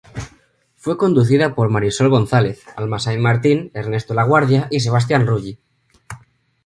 Fue conducida por Marisol González, Alma Saint Martín, Ernesto Laguardia y Sebastián Rulli.